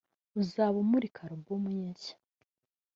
uzaba amurika album ye nshya